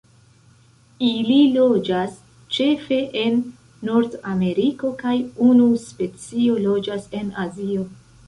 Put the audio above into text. Ili loĝas ĉefe en Nordameriko kaj unu specio loĝas en Azio.